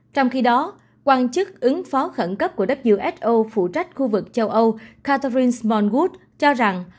trong khi đó quan chức ứng phó khẩn cấp của who phụ trách khu vực châu âu catherine smon gut cho rằng